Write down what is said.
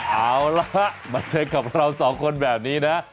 เอาล่ะมาเจอกับเราสองคนแบบนี้นะ